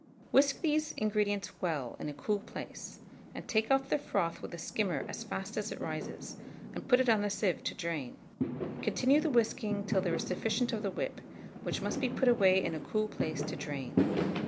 Whisk these ingredients well in a cool place, and take off the froth with a skimmer as fast as it rises, and put it on a sieve to drain; continue the whisking till there is sufficient of the whip, which must be put away in a cool place to drain.